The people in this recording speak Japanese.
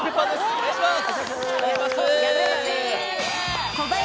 お願いします